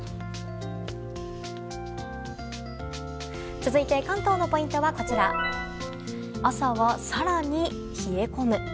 続いて、関東のポイントはこちら朝は更に冷え込む。